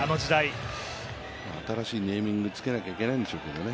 新しいネーミングつけないといけないんですけどね。